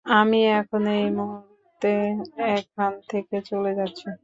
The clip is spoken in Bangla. আমি এখন এই মুহূর্তে এখান থেকে চলে যাচ্ছি।